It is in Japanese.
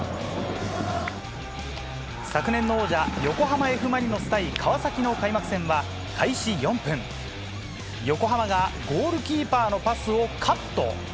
昨年の王者、横浜Ｆ・マリノス対川崎の開幕戦は開始４分、横浜がゴールキーパーのパスをカット。